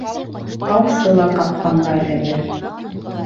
Аусы ла ҡапҡанға эләгер.